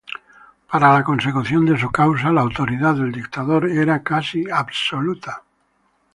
Para la consecución de su "causa", la autoridad del dictador era casi absoluta.